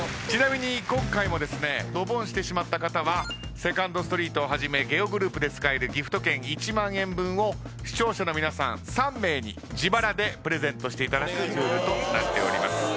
ちなみに今回もですねドボンしてしまった方はセカンドストリートをはじめゲオグループで使えるギフト券１万円分を視聴者の皆さん３名に自腹でプレゼントしていただくルールとなっております。